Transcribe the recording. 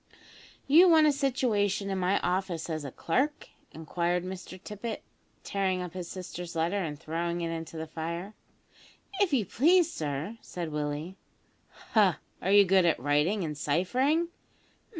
"You want a situation in my office as a clerk?" inquired Mr Tippet, tearing up his sister's letter, and throwing it into the fire. "If you please, sir," said Willie. "Ha! are you good at writing and ciphering?"